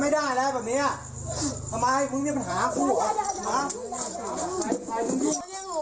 มึงทำลูกหนู